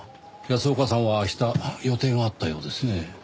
安岡さんは明日予定があったようですね。